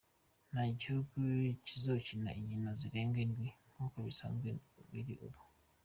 Nta gihugu kizokina inkino zirenga indwi, nk'uko bisanzwe biri ubu.